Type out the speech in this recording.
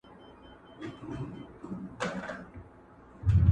په شپه کي ګرځي محتسب د بلاګانو سره!!